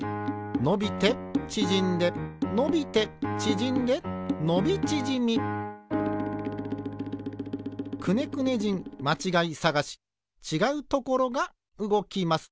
のびてちぢんでのびてちぢんでのびちぢみ「くねくね人まちがいさがし」ちがうところがうごきます。